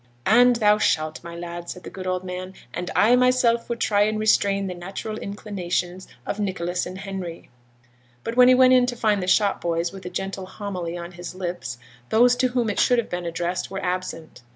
'And thou shalt, my lad,' said the good old man; 'and I myself will try and restrain the natural inclinations of Nicholas and Henry.' But when he went to find the shop boys with a gentle homily on his lips, those to whom it should have been addressed were absent.